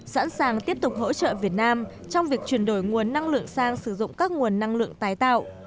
sẵn sàng tiếp tục hỗ trợ việt nam trong việc chuyển đổi nguồn năng lượng sang sử dụng các nguồn năng lượng tái tạo